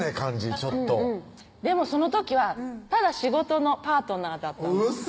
ちょっとでもその時はただ仕事のパートナーだったウソ！